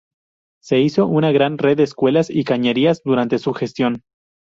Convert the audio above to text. Se hizo una gran red de escuelas y cañerías durante su gestión.